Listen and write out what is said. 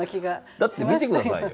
だって見て下さいよ。